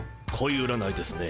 恋占いですね。